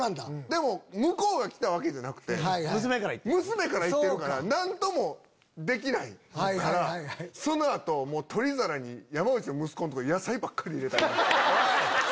でも向こうが来たわけじゃなくて娘から行ってるから何ともできないからその後取り皿に山内の息子んとこに。